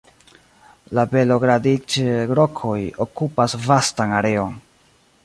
La Belogradĉik-rokoj okupas vastan areon.